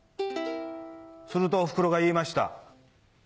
するとおふくろが言いました。